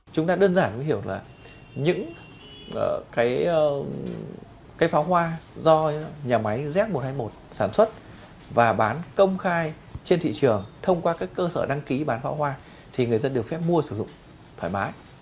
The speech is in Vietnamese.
chúng ta đơn giản hiểu là những cái pháo hoa do nhà máy z một trăm hai mươi một sản xuất và bán công khai trên thị trường thông qua các cơ sở đăng ký bán pháo hoa thì người dân được phép mua sử dụng thoải mái